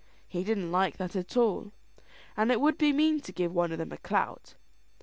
He didn't like that at all, and it would be mean to give one of them a clout.